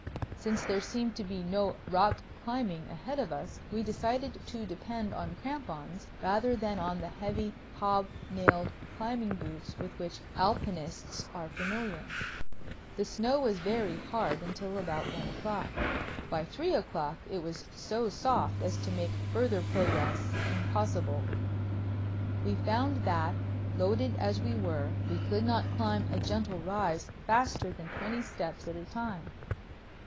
Since there seemed to be no rock climbing ahead of us, we decided to depend on crampons rather than on the heavy hob nailed climbing boots with which Alpinists are familiar. The snow was very hard until about one o'clock. By three o'clock it was so soft as to make further progress impossible. We found that, loaded as we were, we could not climb a gentle rise faster than twenty steps at a time.